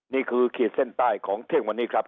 นี่คือขีดเส้นใต้ของเทควันนี้ครับ